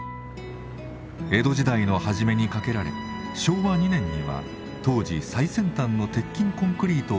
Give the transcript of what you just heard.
江戸時代の初めにかけられ昭和２年には当時最先端の鉄筋コンクリートを使ってかけ替え